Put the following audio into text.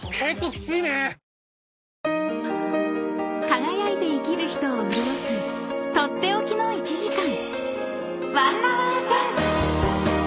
［輝いて生きる人を潤す取って置きの１時間］